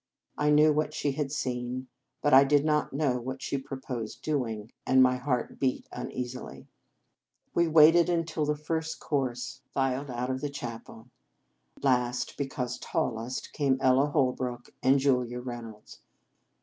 I knew what she had seen; but I did not know what she proposed doing, and my heart beat uneasily. We waited until the First Cours filed 250 The Game of Love out of the chapel. Last, because tall est, came Ella Holrook and Julia Reynolds.